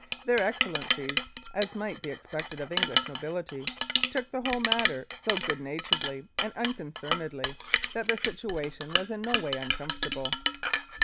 Their Excellencies, as might be expected of English nobility, took the whole matter so good naturedly and unconcernedly that the situation was in no way uncomfortable.